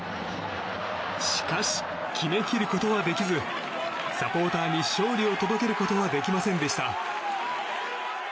しかし、決めきることはできずサポーターに勝利を届けることはできませんでした。